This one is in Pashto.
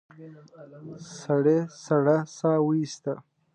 سړي سړه سا ويسته.